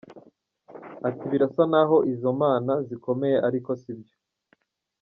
Ati “Birasa n’ aho izo mana zikomeye ariko sibyo.